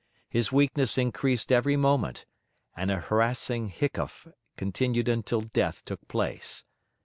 His weakness increased every moment, and a harassing hiccough continued until death took place.